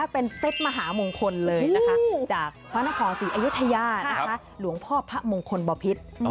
เป็นเซตมหามงคลเลยนะคะจากพระนครศรีอยุธยาหลวงพ่อพระมงคลบพิษ